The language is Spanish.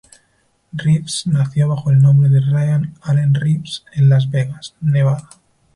Reeves nació bajo el nombre de Ryan Allen Reeves en Las Vegas, Nevada.